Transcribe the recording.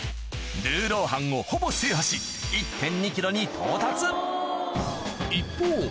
ルーロー飯をほぼ制覇しに到達一方